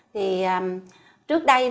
thì trước đây